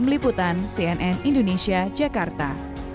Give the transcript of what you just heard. tim liputan cnn indonesia jakarta